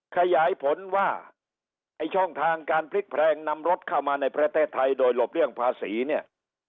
ขยายผลว่าไอ้ช่องทางการพลิกแพรงนำรถเข้ามาในประเทศไทยโดยหลบเลี่ยงภาษีเนี่ย